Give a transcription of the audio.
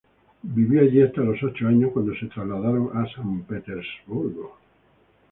Vivió allí hasta los ocho años, cuando se trasladaron a San Petersburgo.